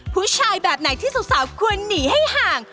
ผู้ชายแบบไหนที่สาวควรหนีให้ห่าง